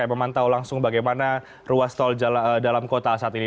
yang memantau langsung bagaimana ruas tol dalam kota saat ini